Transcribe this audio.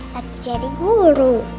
lagi jadi guru